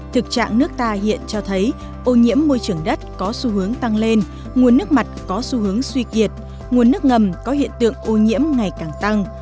thực trạng nước ta hiện cho thấy ô nhiễm môi trường đất có xu hướng tăng lên nguồn nước mặt có xu hướng suy kiệt nguồn nước ngầm có hiện tượng ô nhiễm ngày càng tăng